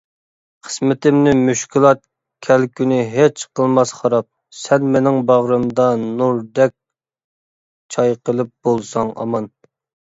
قىسمىتىمنى مۈشكۈلات كەلكۈنى ھېچ قىلماس خاراب، سەن مېنىڭ باغرىمدا نۇردەك چايقىلىپ بولساڭ ئامان.